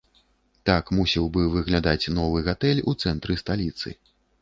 Так мусіў бы выглядаць новы гатэль у цэнтры сталіцы.